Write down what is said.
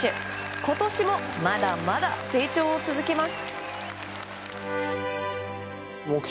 今年もまだまだ成長を続けます。